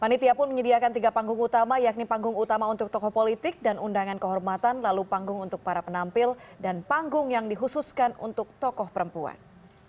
panitia pun menyediakan tiga panggung utama yakni panggung utama untuk tokoh politik dan undangan kehormatan lalu panggung untuk para penampil dan panggung yang dikhususkan untuk tokoh perempuan